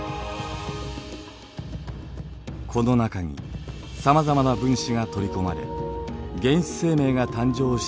この中にさまざまな分子が取り込まれ原始生命が誕生したのです。